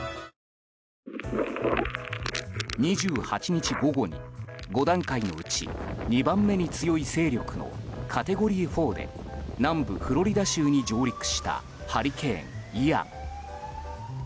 ２８日午後に、５段階のうち２番目に強い勢力のカテゴリー４で南部フロリダ州に上陸したハリケーン、イアン。